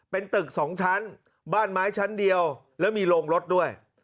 เป็นตึกสองชั้นบ้านไม้ชั้นเดียวแล้วมีโรงรถด้วย